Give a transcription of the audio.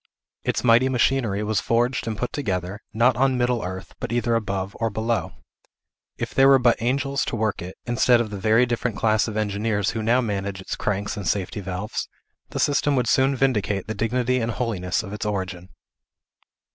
Its mighty machinery was forged and put together, not on middle earth, but either above or below. If there were but angels to work it, instead of the very different class of engineers who now manage its cranks and safety valves, the system would soon vindicate the dignity and holiness of its origin.